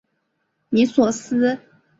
尼索斯。